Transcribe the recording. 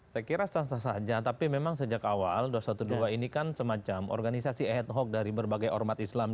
saya kira sah sah saja tapi memang sejak awal dua ratus dua belas ini kan semacam organisasi ad hoc dari berbagai ormas islam